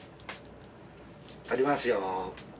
撮りますよ。